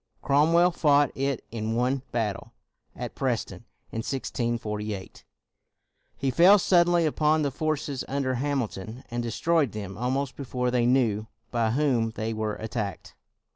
Crom well fought it in one battle. At Preston, in 1648, he fell suddenly upon the forces under Hamilton and destroyed them al most before they knew by whom they were attacked.